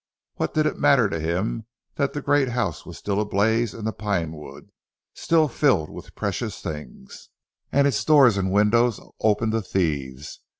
What did it matter to him, that the great house was still ablaze in the pine wood, still filled with precious things, and its doors and windows open to thieves?